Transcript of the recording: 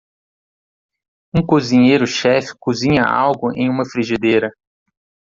Um cozinheiro chefe cozinha algo em uma frigideira.